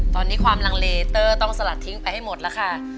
ตอนนี้ความลังเลเตอร์ต้องสลัดทิ้งไปให้หมดแล้วค่ะ